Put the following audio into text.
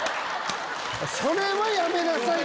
それはやめなさい！